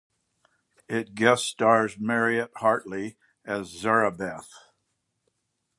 It guest-stars Mariette Hartley as Zarabeth.